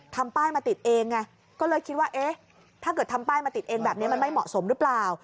ทำป้ายมาติดเองไงก็เลยคิดว่าเอ๊ะถ้าเกิดทำป้ายมาติดเองแบบนี้มันไม่เหมาะสมหรือเปล่า